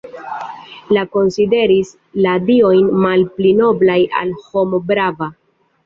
Li konsideris la diojn malpli noblaj ol homo brava.